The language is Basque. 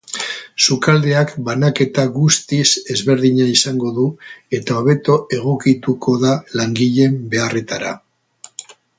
Sukaldeak banaketa guztiz ezberdina izango du eta hobeto egokituko da langileen beharretara.